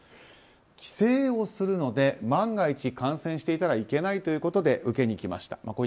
帰省をするので万が一、感染していたらいけないということで受けに来ました。